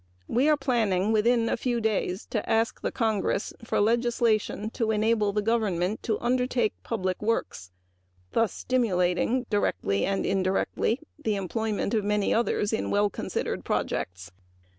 We are planning to ask the Congress for legislation to enable the government to undertake public works, thus stimulating directly and indirectly the employment of many others in well considered projects.